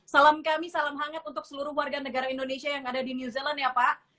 salam kami salam hangat untuk seluruh warga negara indonesia yang ada di new zealand ya pak